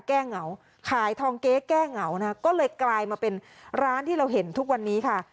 เหงาขายทองเก๊แก้เหงานะก็เลยกลายมาเป็นร้านที่เราเห็นทุกวันนี้ค่ะ